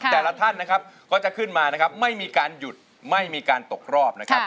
แต่ละท่านนะครับก็จะขึ้นมานะครับไม่มีการหยุดไม่มีการตกรอบนะครับ